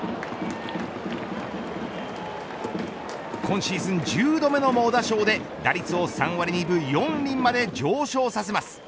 今シーズン１０度目の猛打賞で打率を３割２分４厘まで上昇させます。